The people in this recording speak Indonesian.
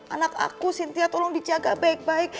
anak aku sintia tolong dijaga baik baik